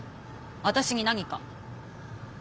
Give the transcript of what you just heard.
私に何か？